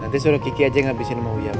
nanti suruh kiki aja yang habisin sama wuyam